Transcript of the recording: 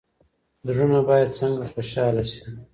زړونه باید څنګه خوشحاله شي؟